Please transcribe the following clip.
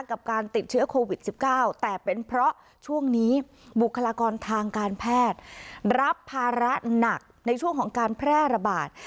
กับการติดเชื้อโควิด๑๙แต่เป็นเพราะช่วงนี้บุคลากรทางการแพทย์รับภาระหนักในช่วงของการแพร่ระบาด